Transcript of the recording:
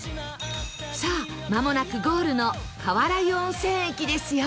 さあ間もなくゴールの川原湯温泉駅ですよ